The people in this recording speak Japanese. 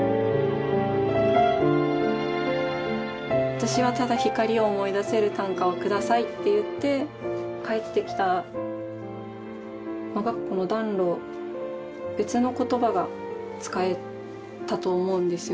私はただひかりを思い出せる短歌をくださいって言って返ってきたのがこの暖炉別の言葉が使えたと思うんですよ。